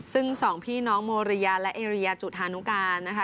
ซึ่งสองพี่น้องโมเรียและเอเรียจุธานุการนะคะ